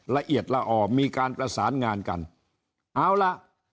ละเอียดละออมีการประสานงานกันเอาล่ะ